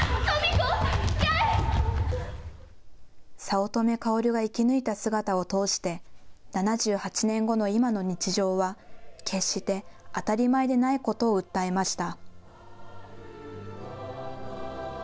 早乙女薫が生き抜いた姿を通して７８年後の今の日常は決して当たり前でないことを訴えました。